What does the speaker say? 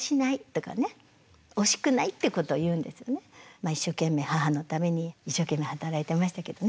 まあ一生懸命母のために一生懸命働いてましたけどね